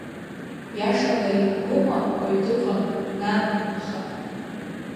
Иашала иугома уаҩ дыҟам, нан, аха…